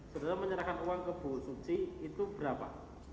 saudara menyerahkan uang ke bu suci itu berapa